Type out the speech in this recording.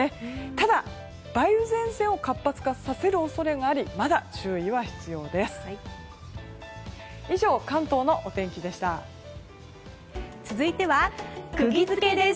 ただ、梅雨前線を活発化させる恐れがありまだ注意は必要です。